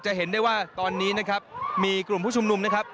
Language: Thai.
เห็นได้ว่าตอนนี้นะครับมีกลุ่มผู้ชุมนุมนะครับ